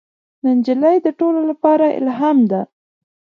نجلۍ د ټولو لپاره الهام ده.